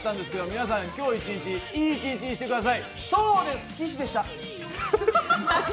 皆さん、今日一日、いい一日にしてください。